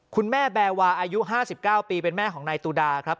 คุณแม่แบวาอายุ๕๙ปีเป็นแม่ของนายตุดาครับ